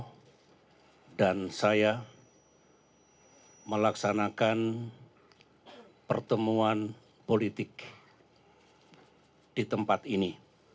dan saya berterima kasih kepada pak prabowo dan saya melaksanakan pertemuan politik di tempat ini